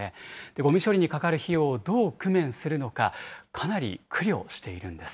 ごみ処理にかかる費用をどう工面するのか、かなり苦慮しているんです。